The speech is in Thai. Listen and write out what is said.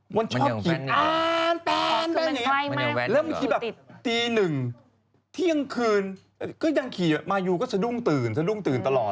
พอเจอก็คิดมากครึ่งิวออกไปยืนดักรอม